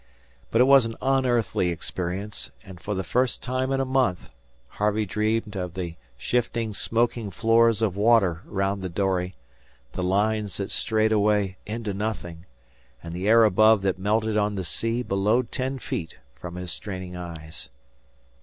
But it was an unearthly experience, and, for the first time in a month, Harvey dreamed of the shifting, smoking floors of water round the dory, the lines that strayed away into nothing, and the air above that melted on the sea below ten feet from his straining eyes.